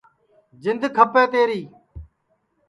جِند کھپے تیری